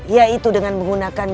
yaitu dengan menggunakan